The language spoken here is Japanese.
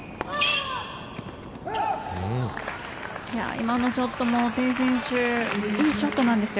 今のショットも、テイ選手いいショットなんですよ。